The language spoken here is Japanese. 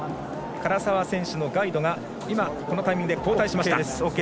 唐澤選手のガイドがこのタイミングで交代。